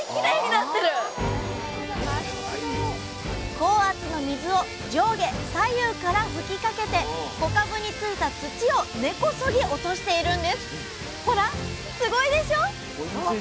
高圧の水を上下左右から吹きかけて小かぶについた土を根こそぎ落としているんです。